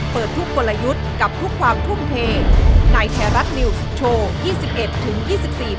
เปิดทุกกลยุทธ์กับทุกความทุ่มเทในไทยรัฐนิวส์โชว์ยี่สิบเอ็ดถึงยี่สิบสี่